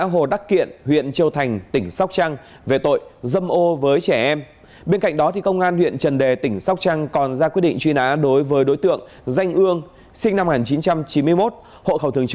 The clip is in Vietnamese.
hãy đăng ký kênh để nhận thông tin nhất